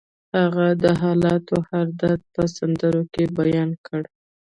هغه د حالاتو هر درد په سندرو کې بیان کړ